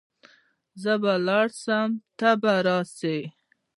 زه به ولاړ سم ته به راسي .